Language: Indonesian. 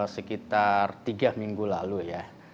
sekitar tiga minggu lalu ya